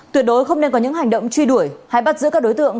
tuyệt đối không nên có những hành động truy đuổi hay bắt giữ các đối tượng